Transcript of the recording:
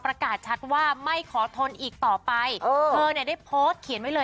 ประกาศชัดว่าไม่ขอทนอีกต่อไปเธอเนี่ยได้โพสต์เขียนไว้เลย